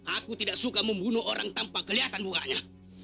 aku tidak suka membunuh orang tanpa kelihatan mukanya